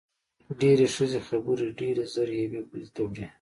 ډېری ښځې خبرې ډېرې زر یوې بلې ته وړي.